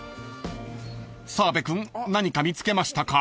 ［澤部君何か見つけましたか？］